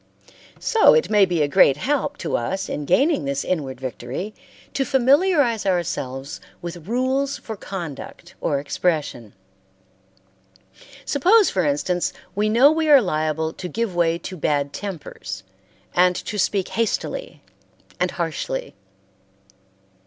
So it may be a great help to us in gaining this inward victory to familiarize ourselves with rules for conduct or expression. Suppose, for instance we know we are liable to give way to bad tempers and to speak hastily and harshly.